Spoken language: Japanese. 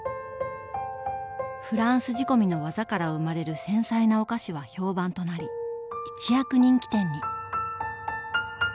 フランス仕込みの技から生まれる繊細なお菓子は評判となり一躍人気店に。